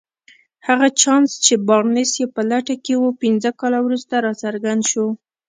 هغه چانس چې بارنس يې په لټه کې و پنځه کاله وروسته راڅرګند شو.